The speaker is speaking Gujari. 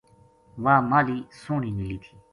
واہ ماہلی سوہنی نیلی تھی